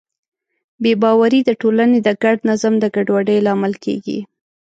بې باورۍ د ټولنې د ګډ نظم د ګډوډۍ لامل کېږي.